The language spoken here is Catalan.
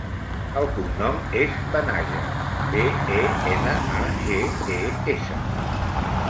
El cognom és Benages: be, e, ena, a, ge, e, essa.